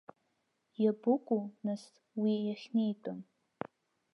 Иабыкәу, нас, уи, иахьнеитәым?